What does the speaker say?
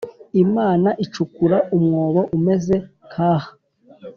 Imana icukura umwobo umeze nkaha